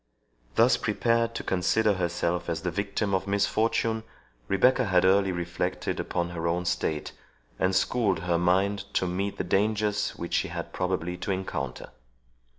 Thus prepared to consider herself as the victim of misfortune, Rebecca had early reflected upon her own state, and schooled her mind to meet the dangers which she had probably to encounter.